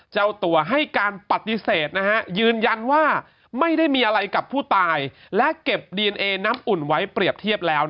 เจ้าตัวให้การปฏิเสธยืนยันว่าไม่ได้มีอะไรกับผู้ตายและเก็บดีเอนเอน้ำอุ่นไว้เปรียบเทียบแล้ว